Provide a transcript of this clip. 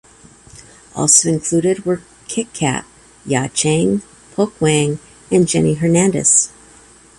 Also included were Kitkat, Ya Chang, Pokwang and Jenny Hernandez.